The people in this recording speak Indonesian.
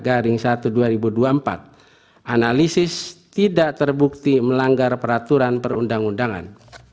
analisis tidak terbukti melanggar peraturan perundang undangan